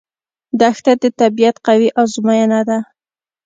دښته د طبیعت قوي ازموینه ده.